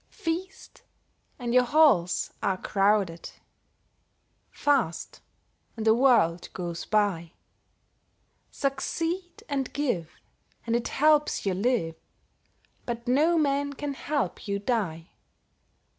Feast, and your halls are crowded; Fast, and the world goes by. Succeed and give, and it helps you live, But no man can help you die.